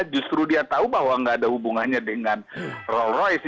justru dia tahu bahwa nggak ada hubungannya dengan roll royce